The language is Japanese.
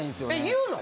言うの？